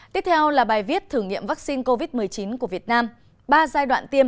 tiếp theo là bài viết thử nghiệm vaccine